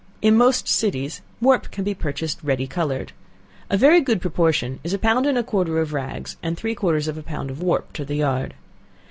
In most cities warp can be purchased ready colored. A very good proportion is a pound and a quarter of rags, and three quarters of a pound of warp to the yard.